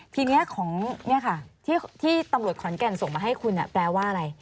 ทีนี้ของที่ตำรวจขอนแก่นส่งมาให้คุณแปลว่าอะไร